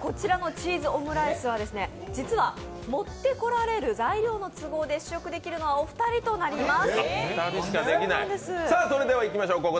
こちらのチーズオムライスは実は持ってこられる材料の都合で試食できるのはお二人となります。